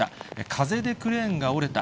風でクレーンが折れた。